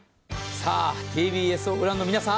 さあ、ＴＢＳをご覧の皆さん。